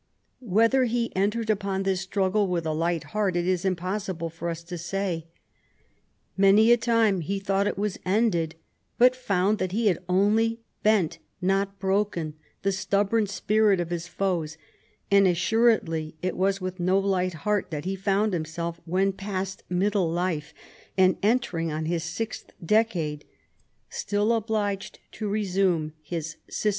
Whether he entered upon this struggle with a light heart it is impossible for us to sa.y. Many a time he thought it was ended, but found that he had only bent not broken the stubborn spirit of his foes, and assuredly it was with no liglit heart that he found himself, when past middle life and enter ing on his sixth decade, still obliged to resume his Sisyphean labor.